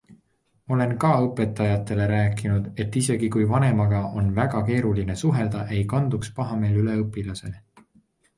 Olen ka õpetajatele rääkinud, et isegi kui vanemaga on väga keeruline suhelda, ei kanduks pahameel üle õpilasele.